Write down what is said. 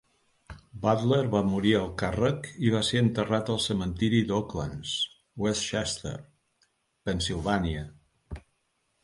Butler va morir al càrrec i va ser enterrat al cementiri d'Oaklands, West Chester, Pennsilvània.